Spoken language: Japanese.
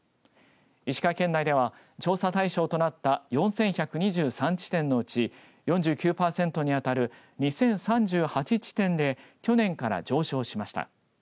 石川県内では調査対象となった４１２３地点のうち４９パーセントに当たる２０３８地点で去年から上昇しました。